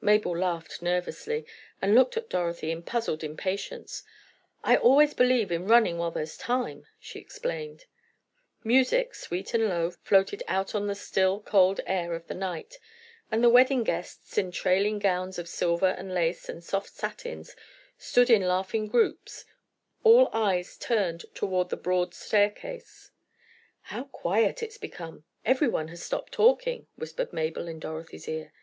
Mabel laughed nervously, and looked at Dorothy in puzzled impatience. "I always believe in running while there's time," she explained. Music, sweet and low, floated out on the still, cold air of the night, and the wedding guests, in trailing gowns of silver and lace and soft satins, stood in laughing groups, all eyes turned toward the broad staircase. "How quiet it's become; everyone has stopped talking," whispered Mabel, in Dorothy's ear.